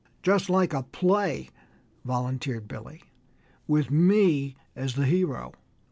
"Just like a play," volunteered Billy, "with me as the hero!"